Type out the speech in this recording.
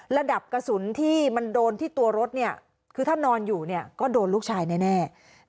ระดับกระสุนที่มันโดนที่ตัวรถคือถ้านอนอยู่ก็โดนลูกชายแน่